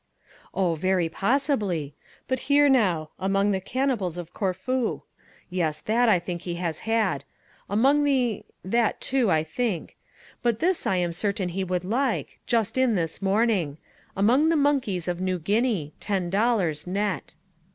"Oh, very possibly but here, now, Among the Cannibals of Corfu yes, that I think he has had Among the that, too, I think but this I am certain he would like, just in this morning Among the Monkeys of New Guinea ten dollars, net."